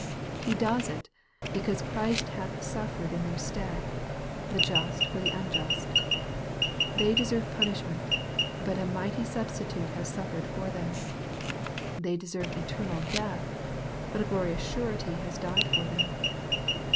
He does it, because Christ hath suffered in their stead, the just for the unjust. They deserve punishment, but a mighty Substitute has suffered for them. They deserve eternal death, but a glorious Surety has died for them.